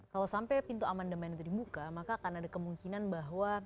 kalau sampai pintu amandemen itu dibuka maka akan ada kemungkinan bahwa